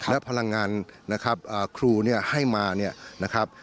และพลังงานครูให้มานะครับ